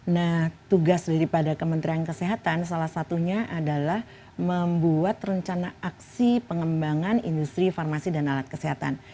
nah tugas daripada kementerian kesehatan salah satunya adalah membuat rencana aksi pengembangan industri farmasi dan alat kesehatan